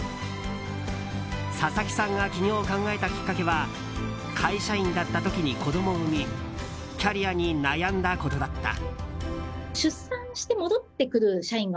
笹木さんが起業を考えたきっかけは会社員だった時に子供を産みキャリアに悩んだことだった。